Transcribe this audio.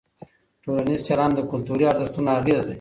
ټولنیز چلند د کلتوري ارزښتونو اغېز دی.